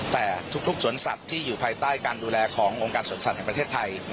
แต่ทุกสวนสัตว์ที่อยู่ภายใต้การดูแลขององค์การสวนสัตว์แห่งประเทศไทย